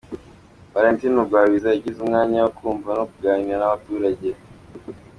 Velentine Rugwabiza, yagize umwanya wo kumva no kuganira n’aba baturage.